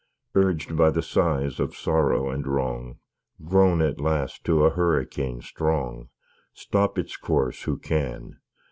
Urged by the sighs of sorrow and wrong, Grown at last to a hurricane strong, Stop its course who can!